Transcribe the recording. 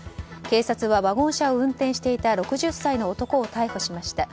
警察はワゴン車を運転していた６０歳の男を逮捕しました。